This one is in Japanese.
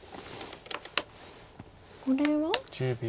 これは。